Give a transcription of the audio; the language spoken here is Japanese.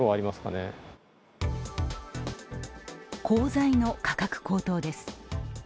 鋼材の価格高騰です。